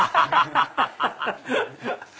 ハハハハハ！